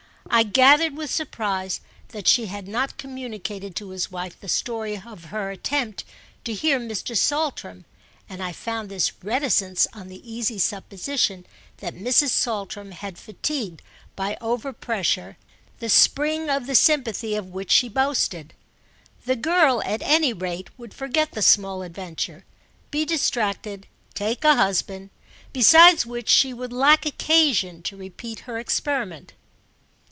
I gathered with surprise that she had not communicated to his wife the story of her attempt to hear Mr..Saltram, and I founded this reticence on the easy supposition that Mrs. Saltram had fatigued by overpressure the spring of the sympathy of which she boasted. The girl at any rate would forget the small adventure, be distracted, take a husband; besides which she would lack occasion to repeat her experiment.